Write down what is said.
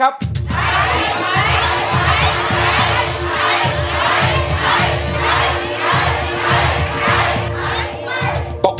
ร้องได้ให้ร้อง